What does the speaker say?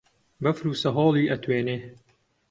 بەفر و سەهۆڵی ئەتوێنێ